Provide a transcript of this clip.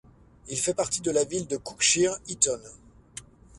Il fait partie de la ville de Cookshire-Eaton.